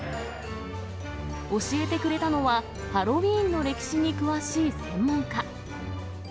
教えてくれたのは、ハロウィーンの歴史に詳しい専門家。